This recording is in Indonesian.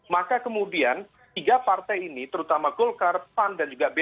maka kemudian tiga partai ini terutama golkar pan dan juga b tiga